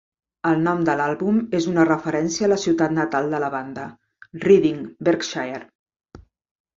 El nom de l'àlbum és una referència a la ciutat natal de la banda, Reading, Berkshire.